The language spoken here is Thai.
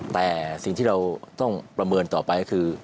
แต่สิ่งที่เราต้องประเมินต่อไปก็คือ